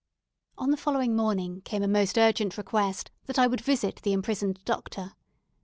On the following morning came a most urgent request that I would visit the imprisoned Doctor.